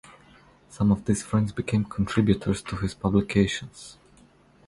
Some of these friends became contributors to his publications.